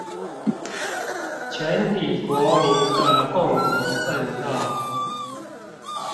全體國民的共同奮鬥